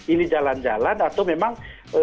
ini jalan jalan atau memang